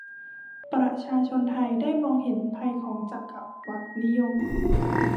ประชาชนไทยได้มองเห็นภัยของจักรวรรดินิยม